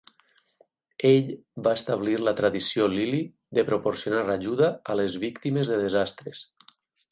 Ell va establir la tradició Lilly de proporcionar ajuda a les víctimes de desastres.